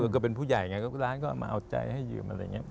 ก็เป็นผู้ใหญ่ไงก็ร้านก็มาเอาใจให้ยืมอะไรอย่างนี้